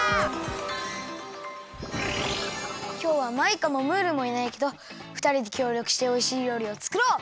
きょうはマイカもムールもいないけどふたりできょうりょくしておいしいりょうりをつくろう！